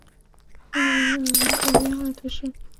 利纳尔人口变化图示